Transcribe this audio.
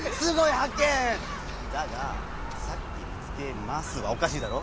だが「さっきみつけます」はおかしいだろ？